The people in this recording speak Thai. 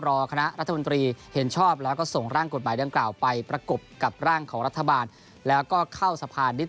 รอคณะรัฐมันตรีเห็นชอบและก็ส่งร่างกดหมายเรื่องกล่าวไป